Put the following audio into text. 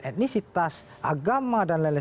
etnisitas agama dan lain lain